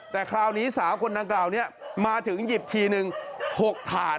แต่คราวนี้สาวคนดังกล่าวนี้มาถึงหยิบทีนึง๖ถ่าน